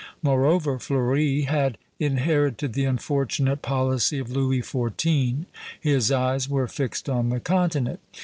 Moreover, Fleuri had inherited the unfortunate policy of Louis XIV.; his eyes were fixed on the continent.